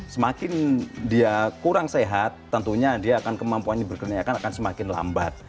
semakin dia kurang sehat tentunya dia akan kemampuannya berkeneyyakan akan semakin lambat